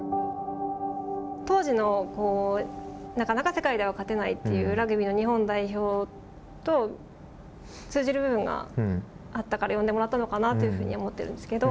当時のなかなか世界では勝てないというラグビーの日本代表と通じる部分があったから呼んでもらったのかなというふうに思っているんですけど。